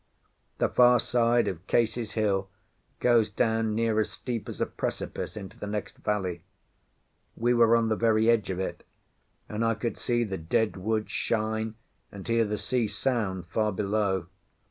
The far side of Case's hill goes down near as steep as a precipice into the next valley. We were on the very edge of it, and I could see the dead wood shine and hear the sea sound far below.